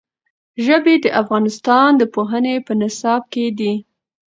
ژبې د افغانستان د پوهنې په نصاب کې دي.